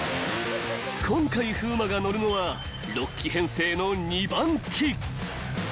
［今回風磨が乗るのは６機編成の２番機］